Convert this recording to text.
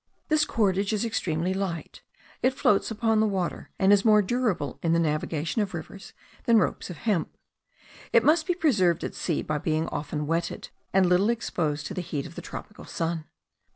This cordage is extremely light; it floats upon the water, and is more durable in the navigation of rivers than ropes of hemp. It must be preserved at sea by being often wetted, and little exposed to the heat of the tropical sun.